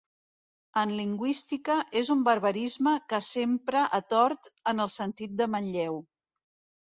En lingüística és un barbarisme que s'empra a tort en el sentit de manlleu.